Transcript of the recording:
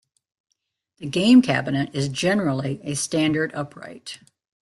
The game cabinet is generally a standard upright.